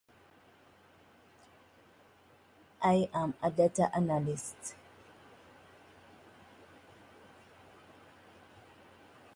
Lakini kama utakuwa unaongezea mbolea